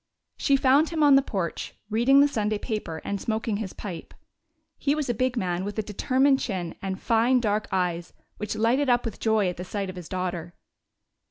She found him on the porch, reading the Sunday paper and smoking his pipe. He was a big man with a determined chin and fine dark eyes which lighted up with joy at the sight of his daughter.